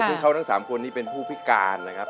ซึ่งเขาทั้ง๓คนนี้เป็นผู้พิการนะครับ